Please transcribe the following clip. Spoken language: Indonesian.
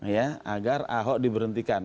ya agar ahok diberhentikan